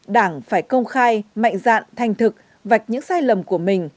đảng phải công khai mạnh dạn thành thực vạch những sai lầm của mình